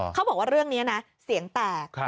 เขาบอกว่าเรื่องนี้นะเสียงแตก